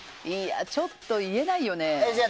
ちょっと言えないよね。